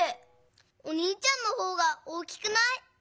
おにいちゃんのほうが大きくない？